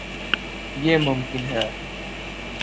یے مہکن ہے